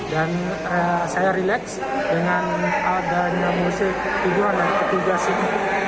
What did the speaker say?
dan saya relax dengan adanya musik hiburan dan ketegasan